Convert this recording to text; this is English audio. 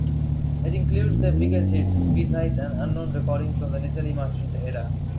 It includes their biggest hits, B-sides and unknown recordings from the Natalie Merchant era.